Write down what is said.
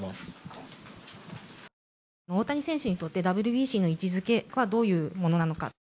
大谷選手にとってＷＢＣの位置づけはどういうものなのか？